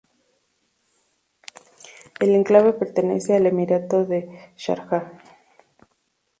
El enclave pertenece al emirato de Sharjah.